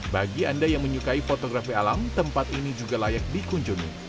bagi anda yang menyukai fotografi alam tempat ini juga layak dikunjungi